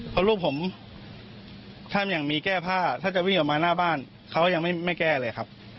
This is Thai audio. เพราะลูกผมท่านยังมีแก้ผ้าถ้าจะวิ่งออกมาหน้าบ้านเขายังไม่แก้เลยครับ